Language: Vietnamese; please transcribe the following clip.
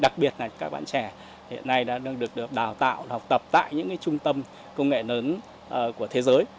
đặc biệt là các bạn trẻ hiện nay đã được đào tạo học tập tại những trung tâm công nghệ lớn của thế giới